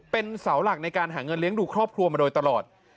เป็นเสาหลักในการหาเงินเลี้ยงดูครอบครัวมาโดยตลอด